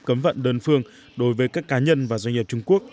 cấm vận đơn phương đối với các cá nhân và doanh nghiệp trung quốc